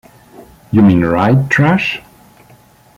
You mean write trash?